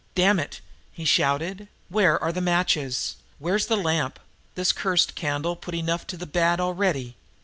"Damn it!" he shouted. "Where are the matches? Where's the lamp? This cursed candle's put enough to the bad already!